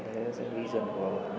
xe là hành vi dân của năm thanh niên ạ